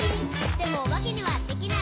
「でもおばけにはできない。」